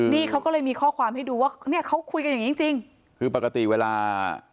นี่เขาก็เลยมีข้อความให้ดูว่าเนี่ยเขาคุยกันอย่างงี้จริงจริงคือปกติเวลา